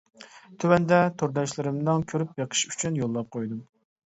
تۆۋەندە، تورداشلىرىمنىڭ كۆرۈپ بېقىشى ئۈچۈن يوللاپ قويدۇم.